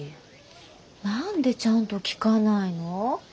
何でちゃんと聞かないの？